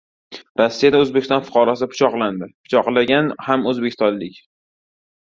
Rossiyada O‘zbekiston fuqarosi pichoqlandi. Pichoqlagan ham o‘zbekistonlik